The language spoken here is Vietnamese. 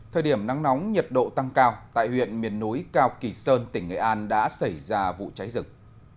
thời điểm nắng nóng nhiệt độ tăng cao tại huyện miền núi cao kỳ sơn tỉnh nghệ an đã xảy ra vụ cháy rừng